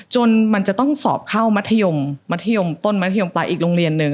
จนมันจะต้องสอบเข้ามัธยมมัธยมต้นมัธยมปลายอีกโรงเรียนหนึ่ง